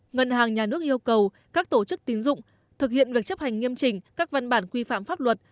ngân hàng nhà nước yêu cầu các tổ chức tín dụng thực hiện việc chấp hành nghiêm chỉnh các văn bản quy phạm pháp luật